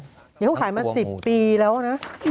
เดี๋ยวเขาขายมา๑๐ปีแล้วนะ